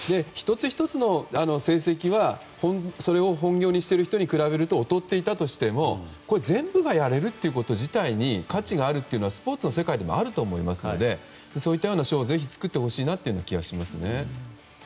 １つ１つの成績はそれを本業にしている人と比べると劣っていたとしても全部がやれるということ自体に価値があるというのはスポーツの世界でもあると思いますのでそういったような賞をぜひ作ってほしい気はしますね。